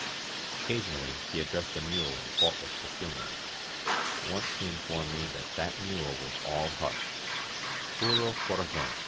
Occasionally he ad dressed the mule in faultless Castilian. Once he in formed me that that mule was all heart" (pura cora zon).